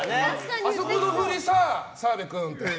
あそこの振りさ、澤部君って。